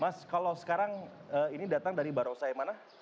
mas kalau sekarang ini datang dari barongsai mana